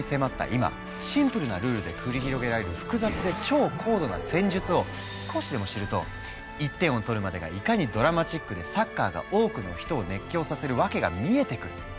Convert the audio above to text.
今シンプルなルールで繰り広げられる複雑で超高度な戦術を少しでも知ると１点を取るまでがいかにドラマチックでサッカーが多くの人を熱狂させるワケが見えてくる！